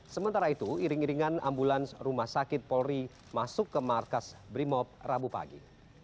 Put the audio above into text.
sementara itu iring iringan ambulans rumah sakit polri masuk ke markas brimob rabu pagi